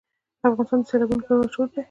افغانستان د سیلابونه لپاره مشهور دی.